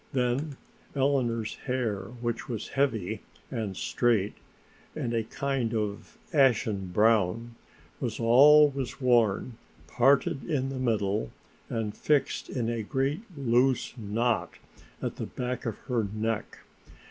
Then Eleanor's hair, which was heavy and straight and a kind of ashen brown, was always worn parted in the middle and fixed in a great loose knot at the back of her neck.